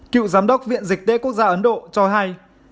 cựu giám đốc viện dịch tễ quốc gia ấn độ cho hay